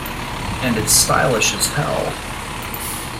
And it's stylish as hell.